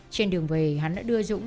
trên đường về hắn đã đưa dũng